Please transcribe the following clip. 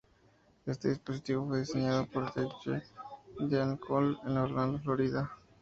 Este dispositivo fue diseñado por el Dr. J. Dean Cole, en Orlando, Florida.